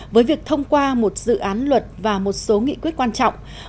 với việc thông qua một dự án luật và một số nghị quyết quan trọng